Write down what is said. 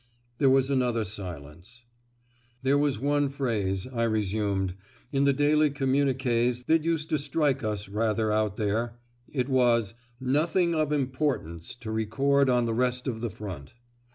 There was another silence. "There was one phrase," I resumed, "in the daily communiqués that used to strike us rather out there;" it was, "Nothing of importance to record on the rest of the front."